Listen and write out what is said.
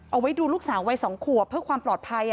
เอาไว้ดูลูกสาววัย๒ขวบเพื่อความปลอดภัย